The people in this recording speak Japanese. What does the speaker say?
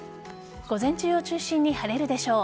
午前中を中心に晴れるでしょう。